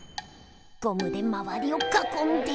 ゴムでまわりをかこんで。